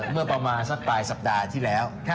เมื่อประมาณสักปลายสัปดาห์ที่แล้ว